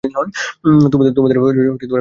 তোমাদের মিথ্যে বলে যাওয়া?